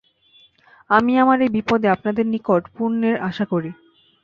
আমি আমার এই বিপদে আপনার নিকট পুণ্যের আশা করি।